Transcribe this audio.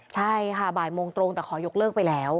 ใช่ค่ะบ่ายโมงตรงแต่ขอยกเลิกไปแล้ว